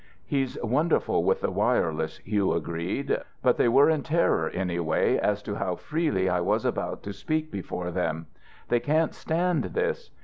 "He's wonderful with the wireless," Hugh agreed. "But they were in terror, anyway, as to how freely I was about to speak before them. They can't stand this.